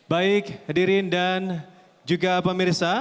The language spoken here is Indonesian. baik hadirin dan juga pemirsa